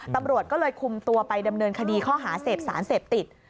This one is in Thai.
ตำรวจก็เลยคุมตัวไปดำเนินคดีข้อหาเสพสารเสพติด